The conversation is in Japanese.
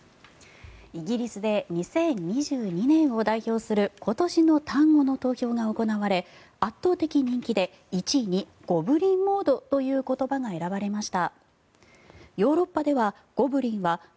イギリスで２０２２年を代表する今年の単語の投票が行われ圧倒的人気で１位にゴブリン・モードという言葉が選ばれました。